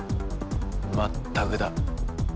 全くだ。